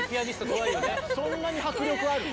そんなに迫力ある？